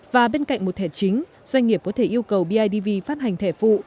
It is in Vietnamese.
và bên cạnh một thẻ chính doanh nghiệp có thể yêu cầu bidv phát hành thẻ phụ